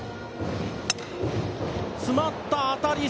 詰まった当たり。